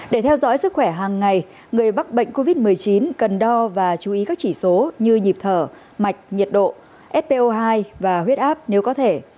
để theo dõi sức khỏe hàng ngày người mắc bệnh covid một mươi chín cần đo và chú ý các chỉ số như nhịp thở mạch nhiệt độ fpo hai và huyết áp nếu có thể